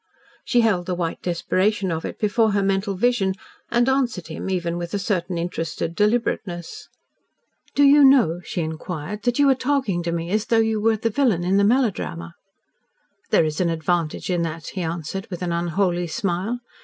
She held the white desperation of it before her mental vision and answered him even with a certain interested deliberateness. "Do you know," she inquired, "that you are talking to me as though you were the villain in the melodrama?" "There is an advantage in that," he answered, with an unholy smile.